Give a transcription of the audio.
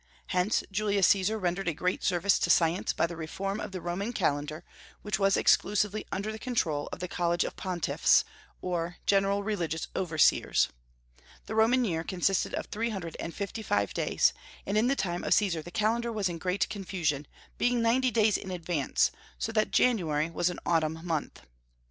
Hence Julius Caesar rendered a great service to science by the reform of the Roman calendar, which was exclusively under the control of the college of pontiffs, or general religious overseers. The Roman year consisted of three hundred and fifty five days; and in the time of Caesar the calendar was in great confusion, being ninety days in advance, so that January was an autumn month.